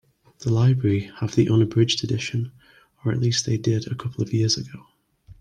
The library have the unabridged edition, or at least they did a couple of years ago.